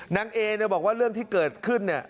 นางเอเนี่ยบอกว่าเรื่องที่เกิดขึ้นเนี่ย